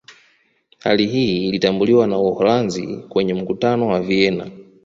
Hali hii ilitambuliwa na Uholanzi kwenye Mkutano wa Vienna